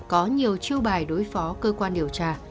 có nhiều chiêu bài đối phó cơ quan điều tra